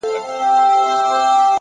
خدمت انسان ارزښتمن کوي,